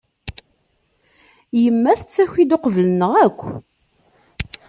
Yemma tettaki-d uqbel-nneɣ akk.